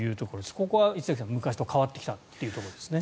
ここは石崎さん昔と変わってきたというところですね。